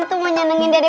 tumben kamu cur